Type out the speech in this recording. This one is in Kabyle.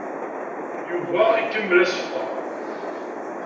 Yuba ikemmel aṣeffer.